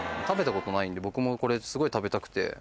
食べたことないんで僕もこれすごい食べたくて。